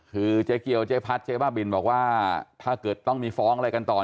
คือเจ๊เกียวเจ๊พัดเจ๊บ้าบินบอกว่าถ้าเกิดต้องมีฟ้องอะไรกันต่อ